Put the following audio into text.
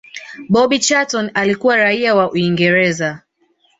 bobby Charlton alikuwa raia wa Uingereza